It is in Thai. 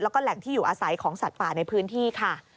แล้วก็แหล่งที่อยู่อาศัยของสัตว์ป่าในพื้นที่ค่ะ